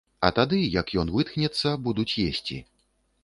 А тады, як ён вытхнецца, будуць есці.